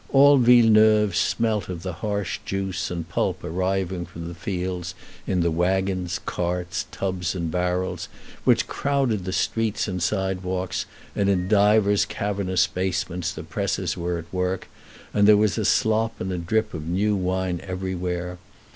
All Villeneuve smelt of the harsh juice and pulp arriving from the fields in the wagons, carts, tubs, and barrels which crowded the streets and sidewalks, and in divers cavernous basements the presses were at work, and there was a slop and drip of new wine everywhere.